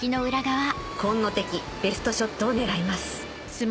紺野的ベストショットを狙います